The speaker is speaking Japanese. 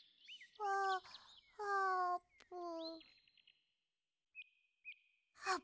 ああーぷん。